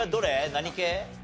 何系？